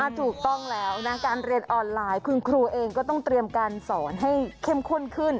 ถูกต้องแล้วนะการเรียนออนไลน์คุณครูเองก็ต้องเตรียมการสอนให้เข้มข้นขึ้น